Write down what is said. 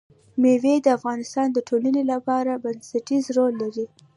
مېوې د افغانستان د ټولنې لپاره بنسټيز رول لري.